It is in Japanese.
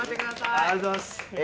ありがとうございますえ